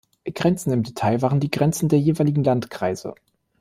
Grenzen im Detail waren die Grenzen der jeweiligen Landkreise.